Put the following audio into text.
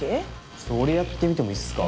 ちょっと俺やってみてもいいっすか。